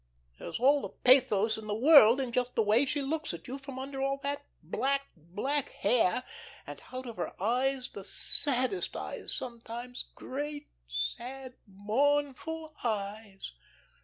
There's all the pathos in the world in just the way she looks at you from under all that black, black hair, and out of her eyes the saddest eyes sometimes, great, sad, mournful eyes."